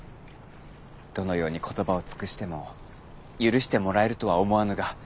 どのように言葉を尽くしても許してもらえるとは思わぬが。